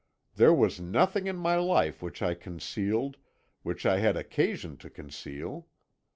There was nothing in my life which I concealed, which I had occasion to conceal.